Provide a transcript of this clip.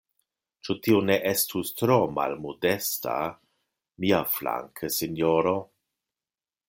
Ĉu tio ne estus tro malmodesta miaflanke, sinjoro?